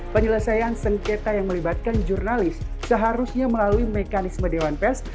penyelesaian sengketa yang melibatkan jurnalis seharusnya melalui mekanisme dewan pers